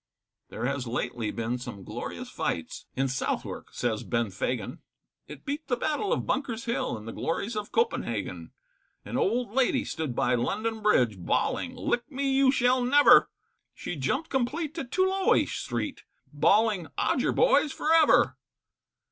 There has lately been some glorious fights, In Southwark, says Ben Fagan. It beat the Battle of Bunker's Hill, And the glories of Copenhagen; An old lady stood by London Bridge, Bawling, lick me you shall never, She jumped complete to Toloey Street, Bawling, Odger, boys, for ever.